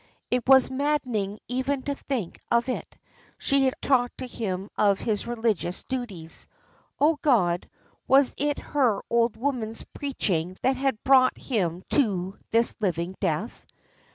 It was maddening even to think of it. She had talked to him of his religious duties. Oh, God, was it her old woman's preaching that had brought him to this living death?